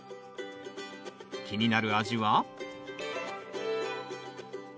気になる味は？